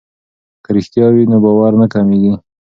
که رښتیا وي نو باور نه کمیږي.